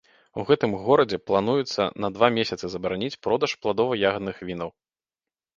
У гэтым горадзе плануецца на два месяцы забараніць продаж пладова-ягадных вінаў.